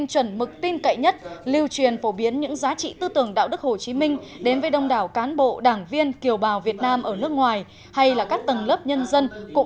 xin chào và hẹn gặp lại